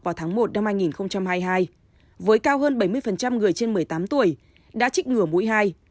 vào tháng một năm hai nghìn hai mươi hai với cao hơn bảy mươi người trên một mươi tám tuổi đã trích ngừa mũi hai